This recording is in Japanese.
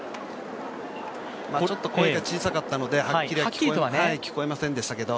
ちょっと声が小さかったのではっきりとは聞こえませんでしたけど。